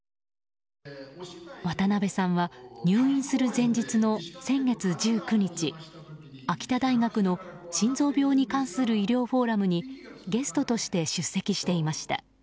渡辺さんは入院する前日の先月１９日秋田大学の心臓病に関する医療フォーラムにゲストとして出席していました。